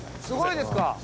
すごいですか？